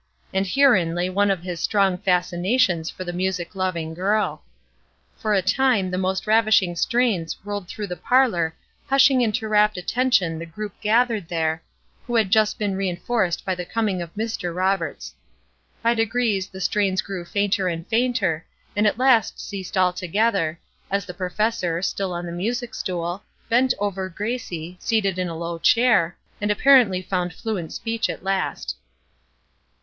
and herein lay one of his strong fascinations for the music loving girl. For a time the most ravishing strains rolled through the parlor hushing into rapt attention the group gathered there, who had just been reinforced by the coming of Mr. Roberts. By degrees the strains grew fainter and fainter, and at last ceased altogether, as the professor, still on the music stool, bent over Gracie, seated in a low chair, and apparently found fluent speech at last.